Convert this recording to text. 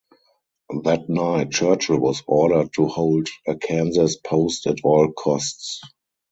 That night Churchill was ordered to hold Arkansas Post at all costs.